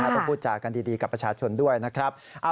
ต้องพูดจากันดีกับประชาชนด้วยนะครับ